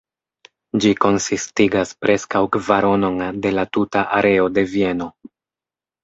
Ĝi konsistigas preskaŭ kvaronon de la tuta areo de Vieno.